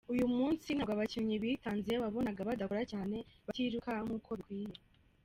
Uyu munsi ntabwo abakinnyi bitanze, wabonaga badakora cyane, batiruka nk’uko bikwiye.